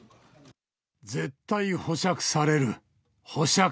絶対保釈される。